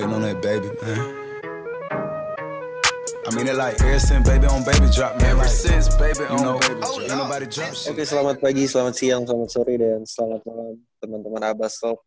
oke selamat pagi selamat siang selamat sore dan selamat malam teman teman abbastov